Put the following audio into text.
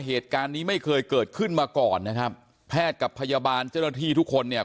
เหตุการณ์นี้ไม่เคยเกิดขึ้นมาก่อนนะครับแพทย์กับพยาบาลเจ้าหน้าที่ทุกคนเนี่ย